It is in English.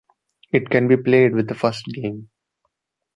It can be played with the first game.